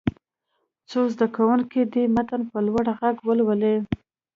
څو زده کوونکي دې متن په لوړ غږ ولولي.